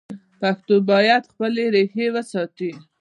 پښتو باید خپلې ریښې وساتي.